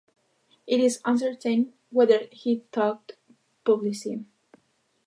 It is uncertain whether he taught publicly.